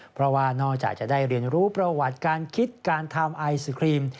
เพราะว่านอกจากจะได้เรียนรู้ประวัติการคิดการทำไอศครีม